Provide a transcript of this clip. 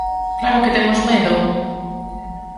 ¡Claro que temos medo!